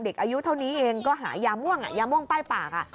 อายุเท่านี้เองก็หายาม่วงยาม่วงป้ายปาก